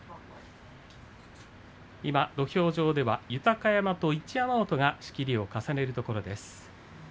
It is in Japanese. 今、土俵上では豊山と一山本が仕切りを重ねるところです。